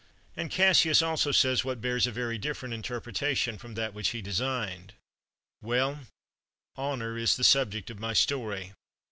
And Cassius also says what bears a very different interpretation from that which he designed: "Well, honor is the subject of my story.